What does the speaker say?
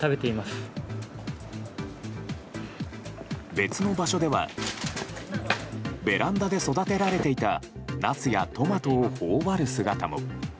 別の場所ではベランダで育てられていたナスやトマトを頬張る姿も。